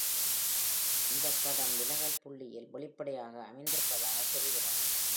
இந்த படம் விலகல் புள்ளியில் வெளிப்படையாக அமைந்திருப்பதாகத் தெரிகிறது.